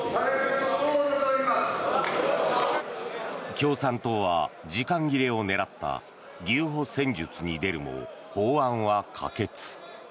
共産党は時間切れを狙った牛歩戦術に出るも法案は可決。